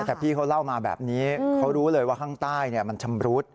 แต่พี่เขาเล่ามาแบบนี้เขารู้เลยว่าข้างใต้มันชำรุด